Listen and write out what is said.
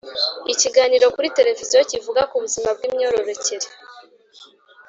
ikiganiro kuri televiziyo kivuga ku buzima bw’imyororokere,